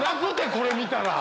これ見たら。